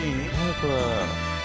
これ。